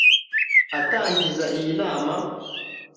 Atangiza iyi nama